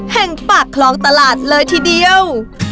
แห่งปากคลองตลาดเลยทีเดียว